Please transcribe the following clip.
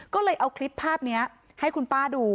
ก็เลยเอาคลิปภาพนี้ให้คุณป้าดู